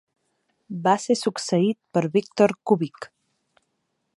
Va ser succeït per Victor Kubik.